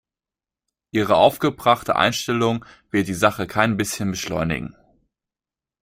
Ihre aufgebrachte Einstellung wird die Sache kein bisschen beschleunigen.